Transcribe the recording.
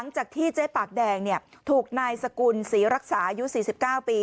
จากที่เจ๊ปากแดงเนี่ยถูกนายสกุลศรีรักษายุทธิ์๔๙ปี